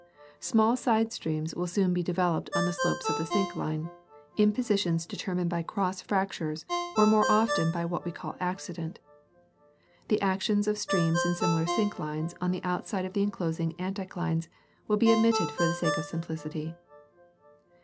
Small side streams will soon be developed on the slopes of the syncline, in positions determined by cross fractures or more often by what we call accident ; the action of streams in similar synclines on the outside of the enclosing anticlines will be omitted for the sake of simplicity.